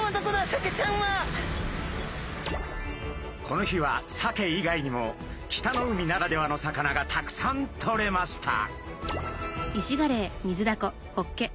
この日はサケ以外にも北の海ならではの魚がたくさんとれました。